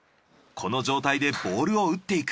この状態でボールを打っていく。